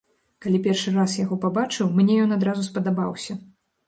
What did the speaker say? Калі першы раз яго пабачыў, мне ён адразу спадабаўся.